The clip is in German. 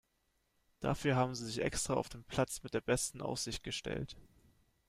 Dafür haben Sie sich extra auf den Platz mit der besten Aussicht gestellt.